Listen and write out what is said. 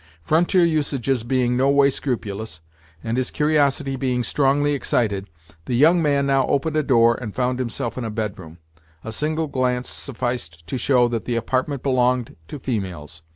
Frontier usages being no way scrupulous, and his curiosity being strongly excited, the young man now opened a door, and found himself in a bedroom. A single glance sufficed to show that the apartment belonged to females.